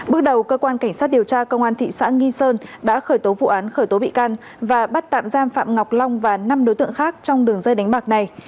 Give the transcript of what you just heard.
bước đầu cơ quan cảnh sát điều tra công an thị xã nghi sơn đã khởi tố vụ án khởi tố bị can và bắt tạm giam phạm ngọc long và năm đối tượng khác trong đường dây đánh bạc này